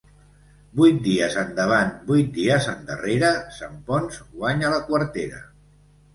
Vuit dies endavant, vuit dies endarrera, Sant Ponç guanya la quartera.